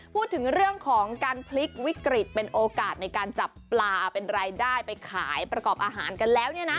พูดถึงเรื่องของการพลิกวิกฤตเป็นโอกาสในการจับปลาเป็นรายได้ไปขายประกอบอาหารกันแล้วเนี่ยนะ